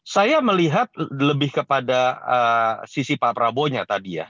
saya melihat lebih kepada sisi pak prabowo nya tadi ya